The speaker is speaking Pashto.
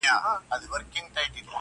څوک چي ددې دور ملګري او ياران ساتي.